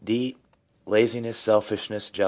(d) laziness, selfishness, jealousy, etc.